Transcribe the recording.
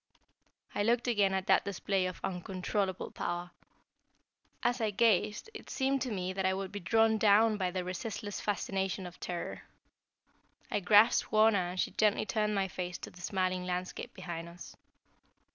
I looked again at that display of uncontrollable power. As I gazed it seemed to me I would be drawn down by the resistless fascination of terror. I grasped Wauna and she gently turned my face to the smiling landscape behind us.